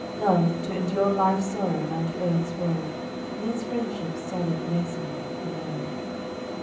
Love, to endure life's sorrow and earth's woe, Needs friendship's solid mason work below.